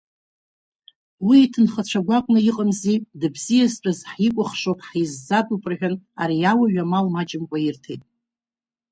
Уи иҭынхацәа гәаҟны иҟамзи, дыбзиазтәыз ҳикәыхшоуп, ҳизӡатәуп рҳәан, ари ауаҩ амал маҷымкәа ирҭеит.